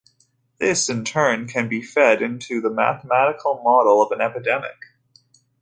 This in turn can be fed into the mathematical model of an epidemic.